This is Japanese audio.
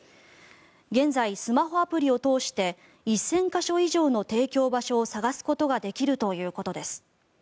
現在、スマホアプリを通して１０００か所以上の提供場所を探すことができるということです。